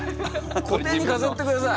個展に飾ってください。